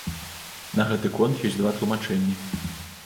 На гэты конт ёсць два тлумачэнні.